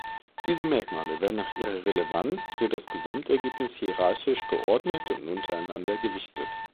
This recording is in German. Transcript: Diese Merkmale werden nach ihrer Relevanz für das Gesamtergebnis hierarchisch geordnet und untereinander gewichtet.